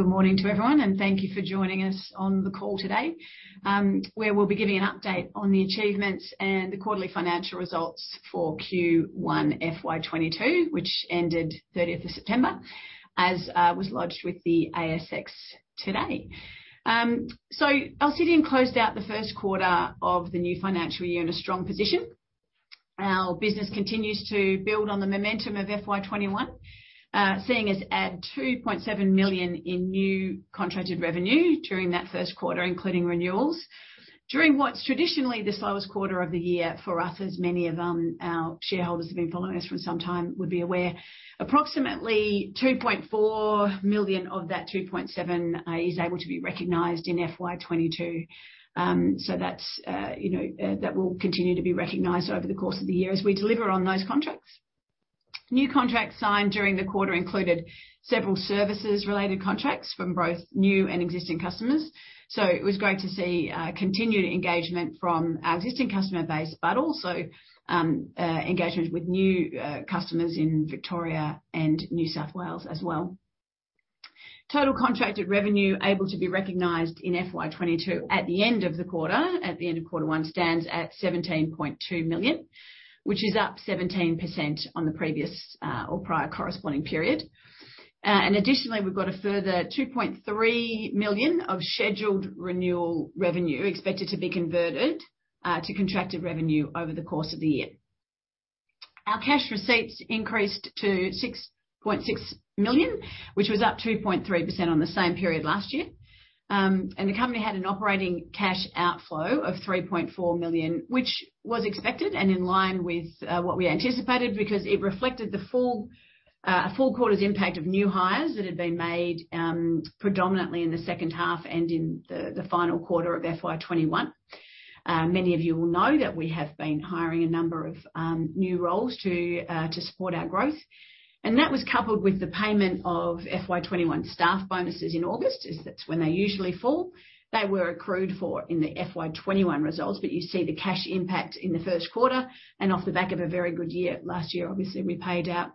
Good morning to everyone, and thank you for joining us on the call today, where we'll be giving an update on the achievements and the quarterly financial results for Q1 FY2022, which ended 30th of September, as was lodged with the ASX today. Alcidion closed out the first quarter of the new financial year in a strong position. Our business continues to build on the momentum of FY2021, seeing us add 2.7 million in new contracted revenue during that first quarter, including renewals. During what's traditionally the slowest quarter of the year for us, as many of our shareholders who have been following us for some time would be aware, approximately 2.4 million of that 2.7 million is able to be recognized in FY2022. That will continue to be recognized over the course of the year as we deliver on those contracts. New contracts signed during the quarter included several services-related contracts from both new and existing customers. It was great to see continued engagement from our existing customer base, but also engagement with new customers in Victoria and New South Wales as well. Total contracted revenue able to be recognized in FY2022 at the end of the quarter, at the end of Q1, stands at 17.2 million, which is up 17% on the previous or prior corresponding period. Additionally, we've got a further 2.3 million of scheduled renewal revenue expected to be converted to contracted revenue over the course of the year. Our cash receipts increased to 6.6 million, which was up 2.3% on the same period last year. The company had an operating cash outflow of 3.4 million, which was expected and in line with what we anticipated because it reflected the full quarter's impact of new hires that had been made predominantly in the second half and in the final quarter of FY2021. Many of you will know that we have been hiring a number of new roles to support our growth, and that was coupled with the payment of FY2021 staff bonuses in August, as that's when they usually fall. They were accrued for in the FY2021 results, but you see the cash impact in the first quarter and off the back of a very good year. Last year, obviously, we paid out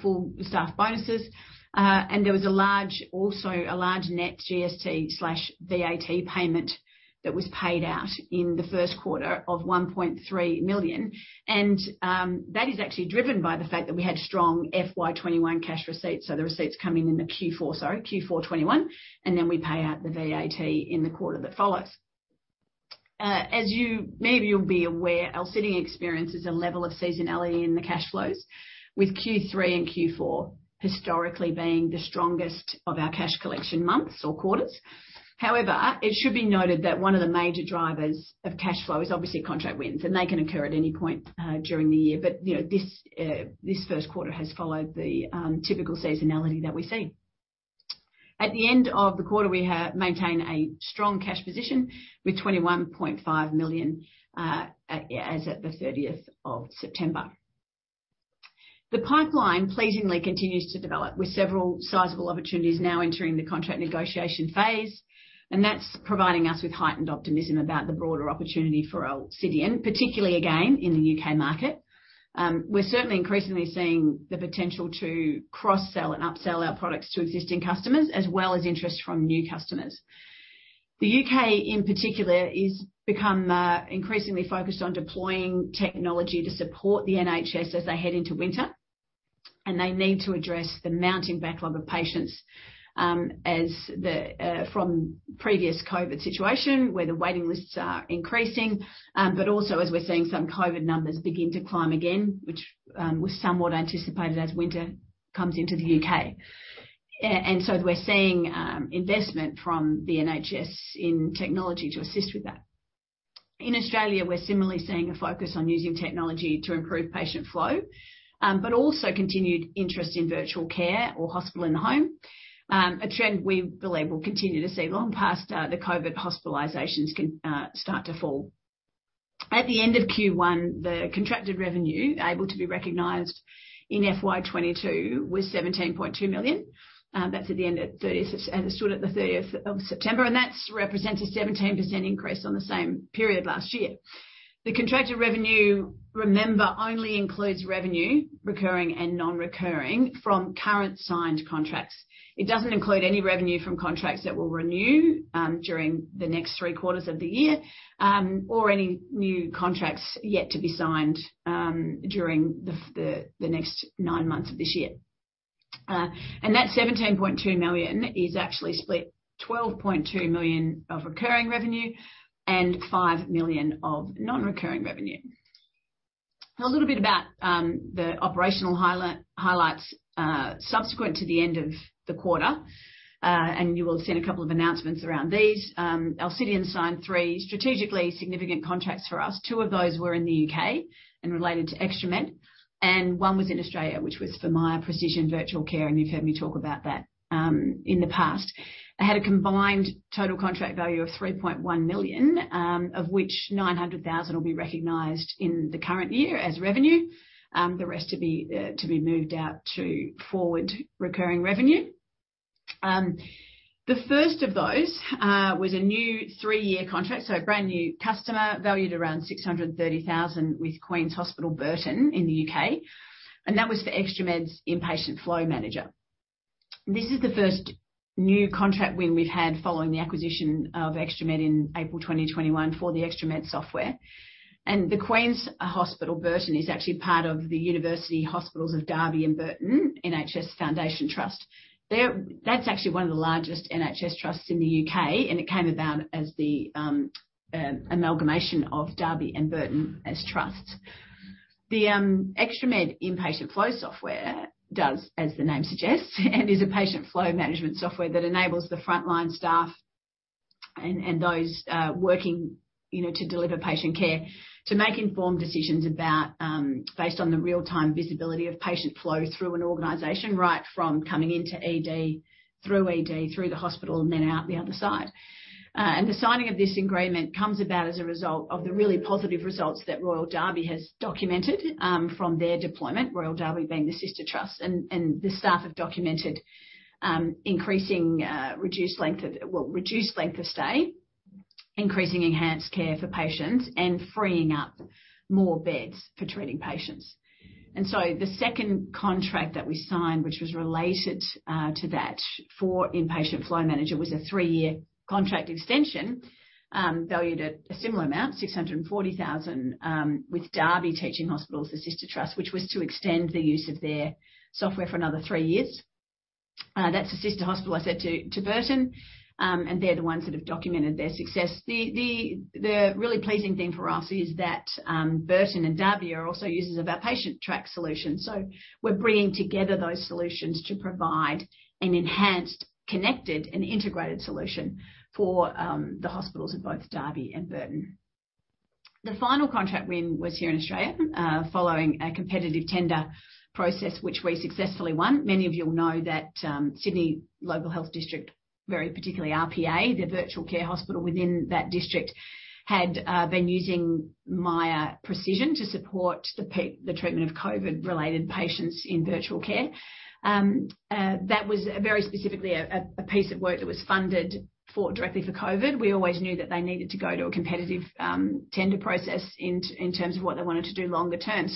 full staff bonuses. There was also a large net GST/VAT payment that was paid out in the first quarter of 1.3 million. That is actually driven by the fact that we had strong FY2021 cash receipts, so the receipts coming in the Q4 2021, we pay out the VAT in the quarter that follows. As maybe you will be aware, Alcidion experiences a level of seasonality in the cash flows, with Q3 and Q4 historically being the strongest of our cash collection months or quarters. However, it should be noted that one of the major drivers of cash flow is obviously contract wins, they can occur at any point during the year. This first quarter has followed the typical seasonality that we see. At the end of the quarter, we maintain a strong cash position with 21.5 million as at the 30th of September. The pipeline pleasingly continues to develop, with several sizable opportunities now entering the contract negotiation phase, that's providing us with heightened optimism about the broader opportunity for Alcidion, particularly, again, in the U.K. market. We're certainly increasingly seeing the potential to cross-sell and upsell our products to existing customers, as well as interest from new customers. The U.K. in particular, is become increasingly focused on deploying technology to support the NHS as they head into winter, they need to address the mounting backlog of patients from previous COVID situation where the waiting lists are increasing. Also as we're seeing some COVID numbers begin to climb again, which was somewhat anticipated as winter comes into the U.K. We're seeing investment from the NHS in technology to assist with that. In Australia, we're similarly seeing a focus on using technology to improve patient flow, but also continued interest in virtual care or hospital in the home, a trend we believe we'll continue to see long past the COVID-19 hospitalizations can start to fall. At the end of Q1, the contracted revenue able to be recognized in FY2022 was 17.2 million. That's as it stood at the 30th of September, and that represents a 17% increase on the same period last year. The contracted revenue, remember, only includes revenue, recurring and non-recurring, from current signed contracts. It doesn't include any revenue from contracts that will renew during the next three quarters of the year, or any new contracts yet to be signed during the next nine months of this year. That 17.2 million is actually split 12.2 million of recurring revenue and 5 million of non-recurring revenue. A little bit about the operational highlights subsequent to the end of the quarter. You will have seen a couple of announcements around these. Alcidion signed three strategically significant contracts for us. Two of those were in the U.K. and related to ExtraMed, and one was in Australia, which was for Miya Precision Virtual Care, and you've heard me talk about that in the past. They had a combined total contract value of 3.1 million, of which 900,000 will be recognized in the current year as revenue, the rest to be moved out to forward recurring revenue. The first of those was a new three-year contract, so a brand-new customer valued around 630,000 with Queen's Hospital Burton in the U.K., and that was for ExtraMed's Inpatient Flow Manager. This is the 1st new contract win we've had following the acquisition of ExtraMed in April 2021 for the ExtraMed software. The Queen's Hospital Burton is actually part of the University Hospitals of Derby and Burton NHS Foundation Trust. That's actually one of the largest NHS trusts in the U.K. It came about as the amalgamation of Derby and Burton as trusts. The ExtraMed inpatient flow software does, as the name suggests, is a patient flow management software that enables the frontline staff and those working to deliver patient care to make informed decisions based on the real-time visibility of patient flow through an organization, right from coming into ED, through ED, through the hospital, then out the other side. The signing of this agreement comes about as a result of the really positive results that Royal Derby Hospital has documented from their deployment, Royal Derby Hospital being the sister trust. The staff have documented reduced length of stay, increasing enhanced care for patients, and freeing up more beds for treating patients. The second contract that we signed, which was related to that for Inpatient Flow Manager, was a three-year contract extension, valued at a similar amount, 640,000, with Derby Teaching Hospitals, the sister trust, which was to extend the use of their software for another three years. That's the sister hospital, I said, to Burton, and they're the ones that have documented their success. The really pleasing thing for us is that Burton and Derby are also users of our Patientrack solution. We're bringing together those solutions to provide an enhanced, connected, and integrated solution for the hospitals in both Derby and Burton. The final contract win was here in Australia, following a competitive tender process, which we successfully won. Many of you will know that Sydney Local Health District, very particularly RPA, the virtual care hospital within that district, had been using Miya Precision to support the treatment of COVID-related patients in virtual care. That was very specifically a piece of work that was funded for directly for COVID. We always knew that they needed to go to a competitive tender process in terms of what they wanted to do longer term.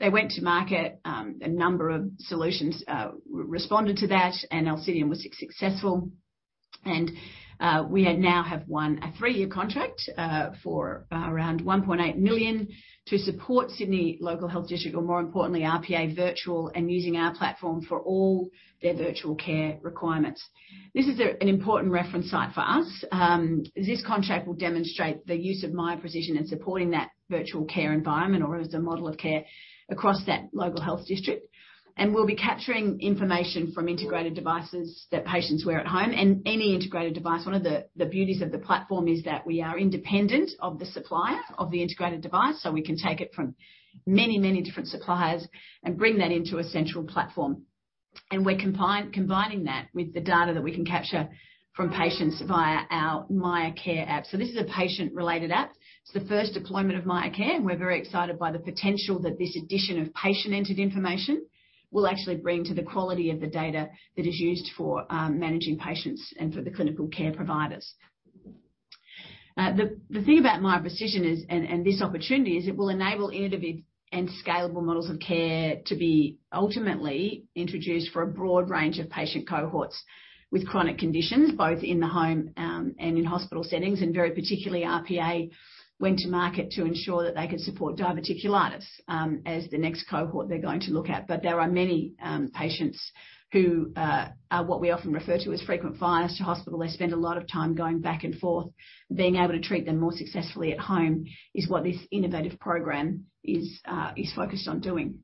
They went to market. A number of solutions responded to that, and Alcidion was successful. We now have won a three-year contract for around 1.8 million to support Sydney Local Health District, or more importantly, RPA Virtual, and using our platform for all their virtual care requirements. This is an important reference site for us. This contract will demonstrate the use of Miya Precision in supporting that virtual care environment or as a model of care across that local health district. We'll be capturing information from integrated devices that patients wear at home and any integrated device. One of the beauties of the platform is that we are independent of the supplier of the integrated device, so we can take it from many different suppliers and bring that into a central platform. We're combining that with the data that we can capture from patients via our Miya Care app. This is a patient-related app. It's the first deployment of Miya Care, and we're very excited by the potential that this addition of patient-entered information will actually bring to the quality of the data that is used for managing patients and for the clinical care providers. The thing about Miya Precision and this opportunity is it will enable innovative and scalable models of care to be ultimately introduced for a broad range of patient cohorts with chronic conditions, both in the home and in hospital settings. Very particularly, RPA went to market to ensure that they could support diverticulitis as the next cohort they're going to look at. There are many patients who are what we often refer to as frequent flyers to hospital. They spend a lot of time going back and forth. Being able to treat them more successfully at home is what this innovative program is focused on doing.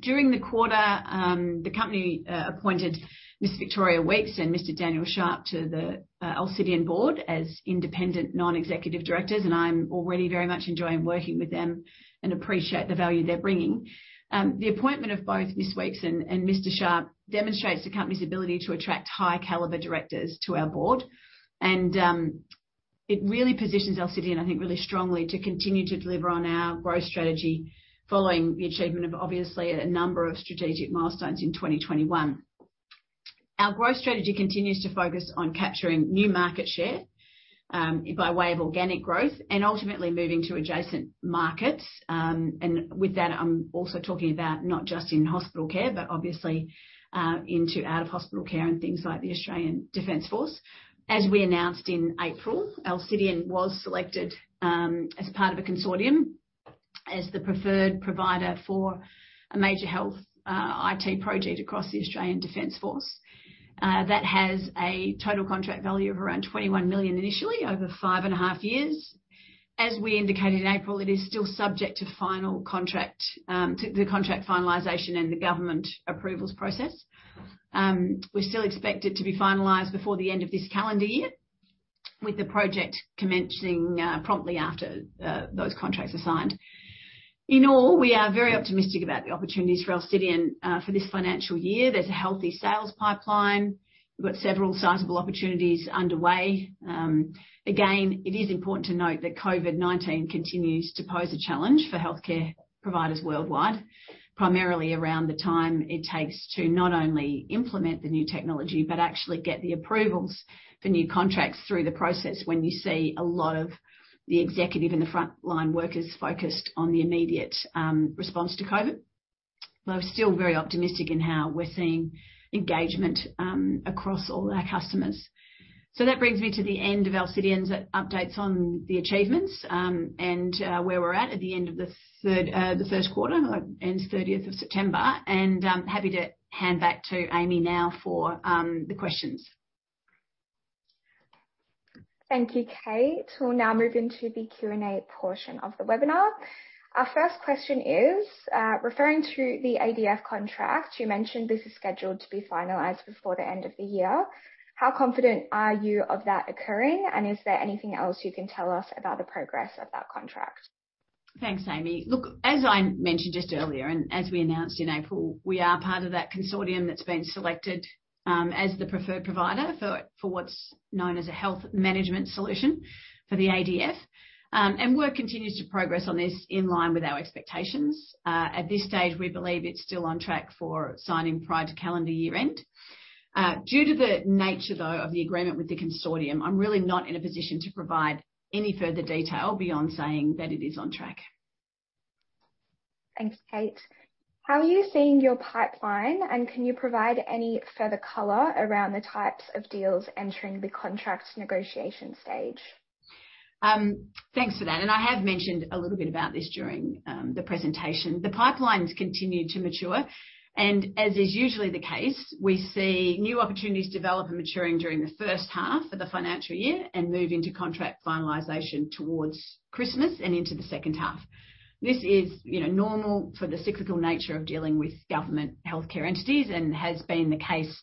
During the quarter, the company appointed Ms. Victoria Weekes and Mr. Daniel Sharp to the Alcidion board as independent non-executive directors, and I'm already very much enjoying working with them and appreciate the value they're bringing. The appointment of both Ms. Weekes and Mr. Sharp demonstrates the company's ability to attract high-caliber directors to our board. It really positions Alcidion, I think, really strongly to continue to deliver on our growth strategy following the achievement of obviously a number of strategic milestones in 2021. Our growth strategy continues to focus on capturing new market share by way of organic growth and ultimately moving to adjacent markets. With that, I'm also talking about not just in hospital care, but obviously into out-of-hospital care and things like the Australian Defence Force. As we announced in April, Alcidion was selected as part of a consortium as the preferred provider for a major health IT project across the Australian Defence Force. That has a total contract value of around 21 million initially over 5.5 years. As we indicated in April, it is still subject to contract finalization and the government approvals process. We still expect it to be finalized before the end of this calendar year, with the project commencing promptly after those contracts are signed. In all, we are very optimistic about the opportunities for Alcidion for this financial year. There's a healthy sales pipeline. We've got several sizable opportunities underway. Again, it is important to note that COVID-19 continues to pose a challenge for healthcare providers worldwide, primarily around the time it takes to not only implement the new technology but actually get the approvals for new contracts through the process when you see a lot of the executive and the frontline workers focused on the immediate response to COVID. We're still very optimistic in how we're seeing engagement across all our customers. That brings me to the end of Alcidion's updates on the achievements, and where we're at the end of the third quarter ends 30th of September. I'm happy to hand back to Amy now for the questions. Thank you, Kate. We'll now move into the Q&A portion of the webinar. Our first question is, referring to the ADF contract, you mentioned this is scheduled to be finalized before the end of the year. How confident are you of that occurring, and is there anything else you can tell us about the progress of that contract? Thanks, Amy. Look, as I mentioned just earlier, and as we announced in April, we are part of that consortium that's been selected as the preferred provider for what's known as a health management solution for the ADF. Work continues to progress on this in line with our expectations. At this stage, we believe it's still on track for signing prior to calendar year-end. Due to the nature, though, of the agreement with the consortium, I'm really not in a position to provide any further detail beyond saying that it is on track. Thanks, Kate. How are you seeing your pipeline, and can you provide any further color around the types of deals entering the contract negotiation stage? Thanks for that. I have mentioned a little bit about this during the presentation. The pipelines continue to mature, and as is usually the case, we see new opportunities develop and maturing during the first half of the financial year and move into contract finalization towards Christmas and into the second half. This is normal for the cyclical nature of dealing with government healthcare entities and has been the case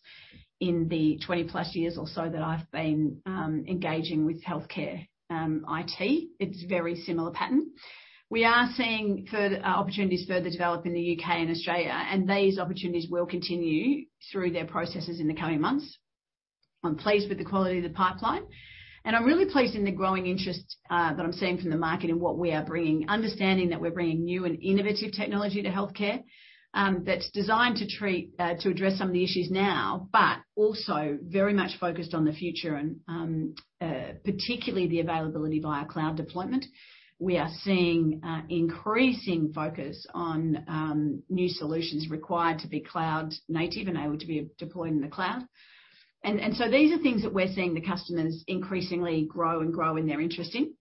in the 20+ years or so that I've been engaging with healthcare IT. It's a very similar pattern. We are seeing opportunities further develop in the U.K. and Australia. These opportunities will continue through their processes in the coming months. I'm pleased with the quality of the pipeline, and I'm really pleased in the growing interest that I'm seeing from the market in what we are bringing, understanding that we're bringing new and innovative technology to healthcare that's designed to address some of the issues now, but also very much focused on the future, and particularly the availability via cloud deployment. We are seeing increasing focus on new solutions required to be cloud native and able to be deployed in the cloud. These are things that we're seeing the customers increasingly grow in their interest in.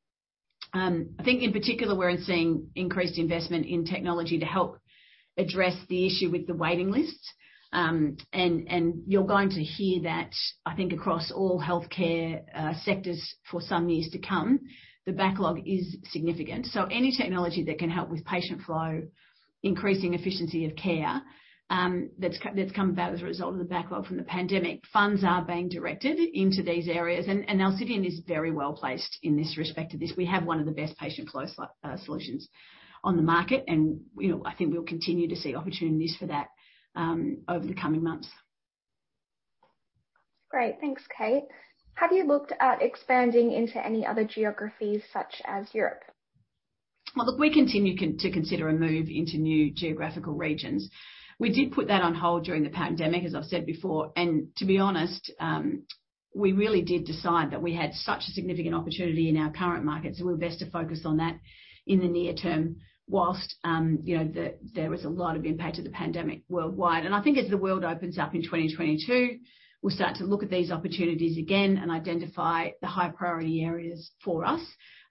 I think in particular, we're seeing increased investment in technology to help address the issue with the waiting lists. You're going to hear that, I think, across all healthcare sectors for some years to come. The backlog is significant. Any technology that can help with patient flow, increasing efficiency of care, that's come about as a result of the backlog from the pandemic. Funds are being directed into these areas, and Alcidion is very well-placed in this respect to this. We have one of the best patient flow solutions on the market, and I think we'll continue to see opportunities for that over the coming months. Great. Thanks, Kate. Have you looked at expanding into any other geographies such as Europe? Well, look, we continue to consider a move into new geographical regions. We did put that on hold during the pandemic, as I've said before, and to be honest, we really did decide that we had such a significant opportunity in our current markets, and we're best to focus on that in the near term whilst there was a lot of impact of the pandemic worldwide. I think as the world opens up in 2022, we'll start to look at these opportunities again and identify the high priority areas for us.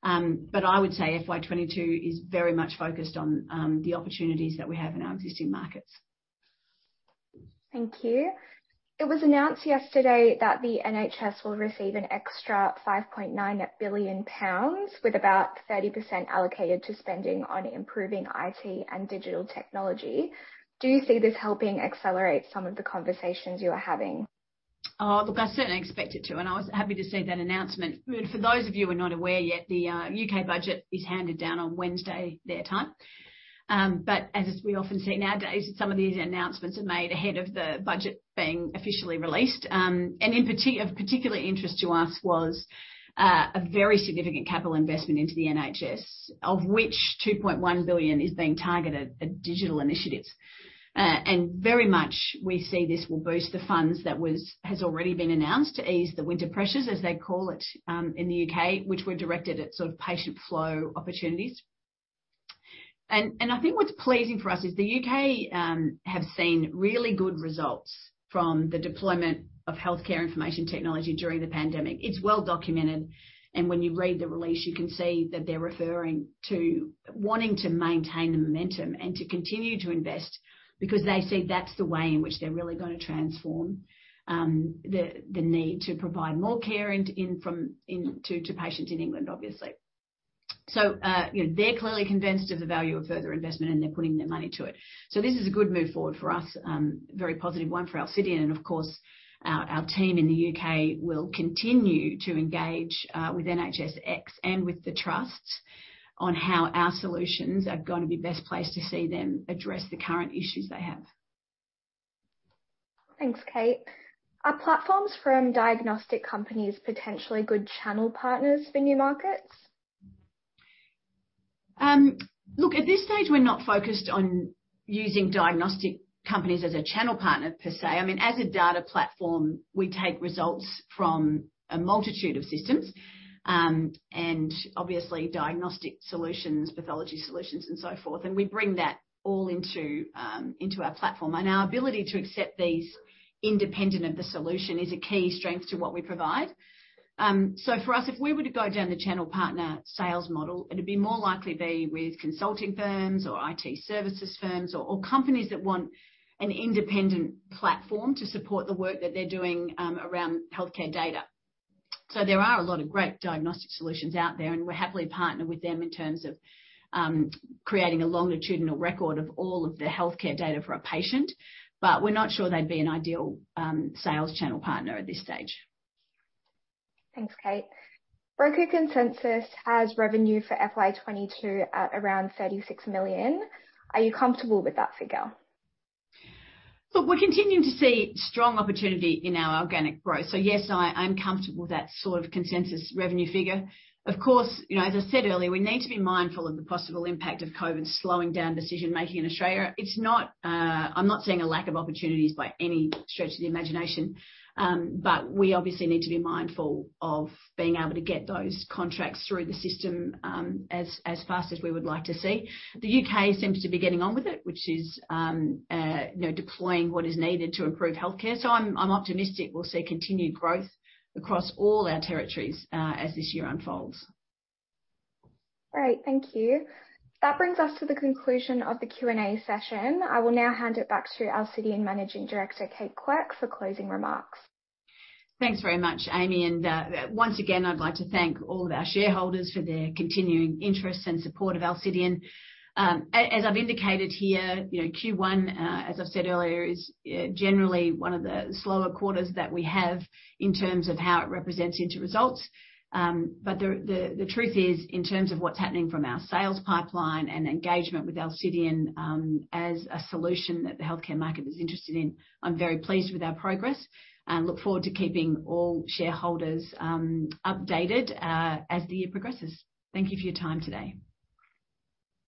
I would say FY2022 is very much focused on the opportunities that we have in our existing markets. Thank you. It was announced yesterday that the NHS will receive an extra 5.9 billion pounds, with about 30% allocated to spending on improving IT and digital technology. Do you see this helping accelerate some of the conversations you are having? Oh, look, I certainly expect it to, and I was happy to see that announcement. For those of you who are not aware yet, the U.K. budget is handed down on Wednesday their time. As we often see nowadays, some of these announcements are made ahead of the budget being officially released. Of particular interest to us was a very significant capital investment into the NHS, of which 2.1 billion is being targeted at digital initiatives. Very much we see this will boost the funds that has already been announced to ease the winter pressures, as they call it in the U.K., which were directed at sort of patient flow opportunities. I think what's pleasing for us is the U.K. have seen really good results from the deployment of healthcare information technology during the pandemic. It's well documented, and when you read the release, you can see that they're referring to wanting to maintain the momentum and to continue to invest because they see that's the way in which they're really going to transform the need to provide more care to patients in England, obviously. They're clearly convinced of the value of further investment, and they're putting their money to it. This is a good move forward for us, a very positive one for Alcidion, and of course, our team in the U.K. will continue to engage with NHSX and with the trusts on how our solutions are going to be best placed to see them address the current issues they have. Thanks, Kate. Are platforms from diagnostic companies potentially good channel partners for new markets? Look, at this stage, we're not focused on using diagnostic companies as a channel partner per se. As a data platform, we take results from a multitude of systems, and obviously diagnostic solutions, pathology solutions, and so forth, and we bring that all into our platform. Our ability to accept these independent of the solution is a key strength to what we provide. For us, if we were to go down the channel partner sales model, it'd be more likely be with consulting firms or IT services firms or companies that want an independent platform to support the work that they're doing around healthcare data. There are a lot of great diagnostic solutions out there, and we'll happily partner with them in terms of creating a longitudinal record of all of the healthcare data for a patient. We're not sure they'd be an ideal sales channel partner at this stage. Thanks, Kate. Broker consensus has revenue for FY 2022 at around 36 million. Are you comfortable with that figure? Look, we're continuing to see strong opportunity in our organic growth. Yes, I'm comfortable with that sort of consensus revenue figure. Of course, as I said earlier, we need to be mindful of the possible impact of COVID-19 slowing down decision-making in Australia. I'm not seeing a lack of opportunities by any stretch of the imagination. We obviously need to be mindful of being able to get those contracts through the system, as fast as we would like to see. The U.K. seems to be getting on with it, which is deploying what is needed to improve healthcare. I'm optimistic we'll see continued growth across all our territories, as this year unfolds. Great. Thank you. That brings us to the conclusion of the Q&A session. I will now hand it back to Alcidion Managing Director, Kate Quirke, for closing remarks. Thanks very much, Amy. Once again, I'd like to thank all of our shareholders for their continuing interest and support of Alcidion. As I've indicated here, Q1, as I've said earlier, is generally one of the slower quarters that we have in terms of how it represents into results. The truth is, in terms of what's happening from our sales pipeline and engagement with Alcidion, as a solution that the healthcare market is interested in, I'm very pleased with our progress, and look forward to keeping all shareholders updated as the year progresses. Thank you for your time today.